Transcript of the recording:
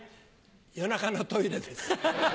夜中のトイレです。